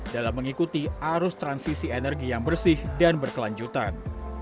dalam mengikuti arus transisi energi yang bersih dan berkelanjutan